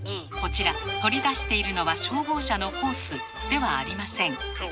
こちら取り出しているのは消防車のホースではありません。